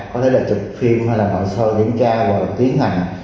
có thể là chụp phim hoặc là bảo sơ kiểm tra và tiến hành